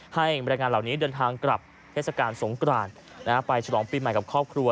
บรรยายงานเหล่านี้เดินทางกลับเทศกาลสงกรานไปฉลองปีใหม่กับครอบครัว